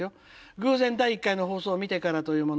「偶然第１回の放送を見てからというもの